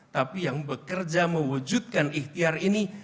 tapi yang bekerja mewujudkan ikhtiar ini